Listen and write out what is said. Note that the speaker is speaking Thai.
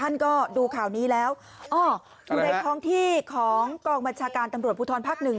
อ๋ออยู่ในท้องที่ของกองบัญชาการตำรวจภูทรภักดิ์หนึ่ง